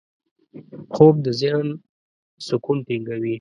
خوب د ذهن سکون ټینګوي